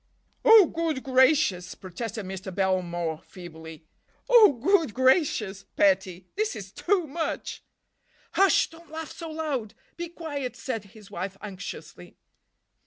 "Oh, good gracious!" protested Mr. Belmore feebly. "Oh, good gracious, petty! This is too much." "Hush—don't laugh so loud—be quiet," said his wife anxiously.